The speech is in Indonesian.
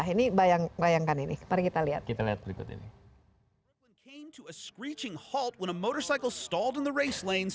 ini bayangkan ini mari kita lihat